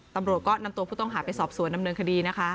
ตำรวจก็นำตัวผู้ต้องหาไปสอบสวนดำเนินคดีนะคะ